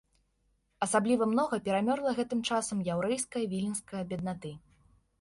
Асабліва многа перамёрла гэтым часам яўрэйскае віленскае беднаты.